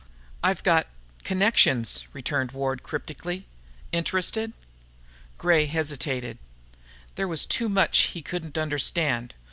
"I've got connections," returned Ward cryptically. "Interested?" Gray hesitated. There was too much he couldn't understand.